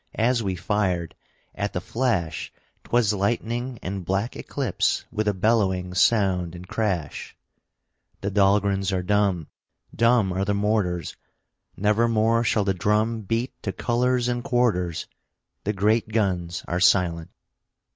As we fired, at the flash 'T was lightning and black eclipse With a bellowing sound and crash. The Dahlgrens are dumb, Dumb are the mortars; Never more shall the drum Beat to colors and quarters The great guns are silent.